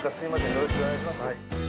よろしくお願いします。